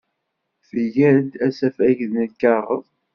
Tga-d asafag n lkaɣeḍ.